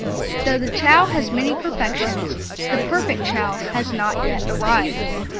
Though the Chow has many perfections, the perfect Chow has not yet arrived.